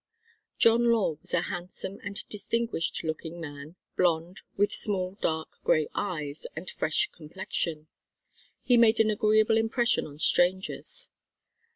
John Law was a handsome and distinguished looking man, blonde, with small dark grey eyes and fresh complexion. He made an agreeable impression on strangers.